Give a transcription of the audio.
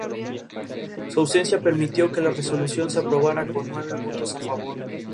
La familia tiene orígenes irlandeses, ingleses, holandeses y cheroquis.